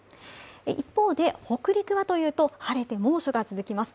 一方で北陸はというと晴れて猛暑が続きます。